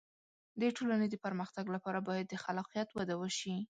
د ټولنې د پرمختګ لپاره باید د خلاقیت وده وشي.